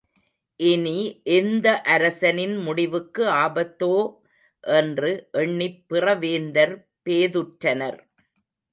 இனி எந்த அரசனின் முடிவுக்கு ஆபத்தோ? என்று எண்ணிப் பிறவேந்தர் பேதுற்றனர்.